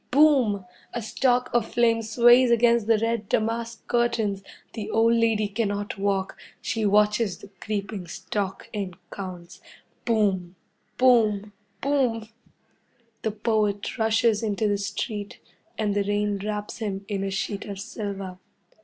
Boom! A stalk of flame sways against the red damask curtains. The old lady cannot walk. She watches the creeping stalk and counts. Boom! Boom! Boom! The poet rushes into the street, and the rain wraps him in a sheet of silver.